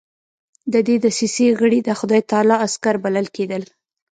د دې دسیسې غړي د خدای تعالی عسکر بلل کېدل.